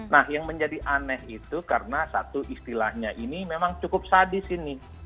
nah yang menjadi aneh itu karena satu istilahnya ini memang cukup sadis ini